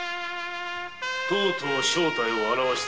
とうとう正体を現したな。